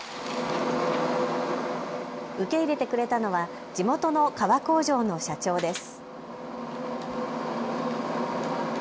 受け入れてくれたのは地元の革工場の社長です。